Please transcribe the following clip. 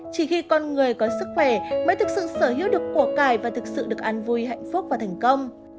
chỉ khi con người có sức khỏe mới thực sự sở hữu được của cải và thực sự được an vui hạnh phúc và thành công